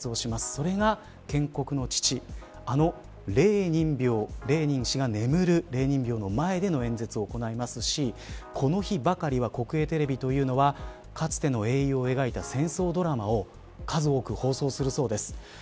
それが建国の父あの、レーニン廟レーニン氏が眠るレーニン廟の前で演説を行いますしこの日ばかりは国営テレビというのはかつての英雄を描いた戦争ドラマを数多く放送するそうです。